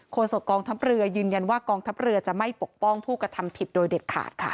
โศกองทัพเรือยืนยันว่ากองทัพเรือจะไม่ปกป้องผู้กระทำผิดโดยเด็ดขาดค่ะ